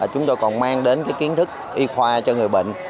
chúng tôi còn mang đến kiến thức y khoa cho người bệnh